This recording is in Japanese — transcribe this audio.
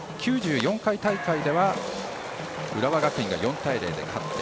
９４回大会では浦和学院が４対０で勝って。